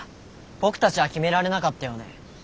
僕たちは決められなかったよね。